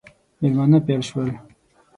مېلمانه پیل شول.